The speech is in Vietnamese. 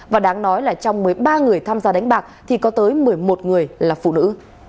và đáng nói là trong một mươi ba người tham gia đánh bạc thì có tới một mươi một người là phụ nữ